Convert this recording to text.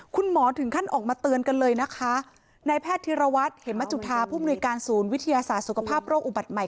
คุณหมอถึงขั้นออกมาเตือนกันเลยนะคะนายแพทย์ธิรวัตรเหมจุธาผู้มนุยการศูนย์วิทยาศาสตร์สุขภาพโรคอุบัติใหม่